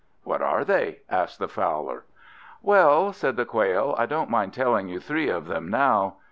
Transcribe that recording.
"What are they?" asked the Fowler. "Well," said the Quail, "I don't mind telling you three of them now.